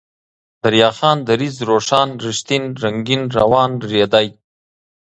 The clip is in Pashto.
دريا خان ، دريځ ، روښان ، رښتين ، رنگين ، روان ، ريدی